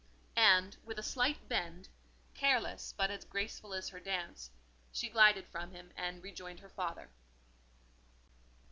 And, with a slight bend—careless, but as graceful as her dance—she glided from him and rejoined her father.